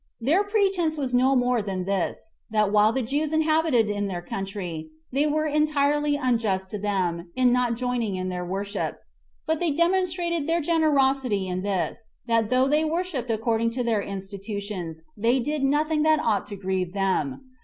Their pretense was no more than this, that while the Jews inhabited in their country, they were entirely unjust to them [in not joining in their worship] but they demonstrated their generosity in this, that though they worshipped according to their institutions, they did nothing that ought to grieve them.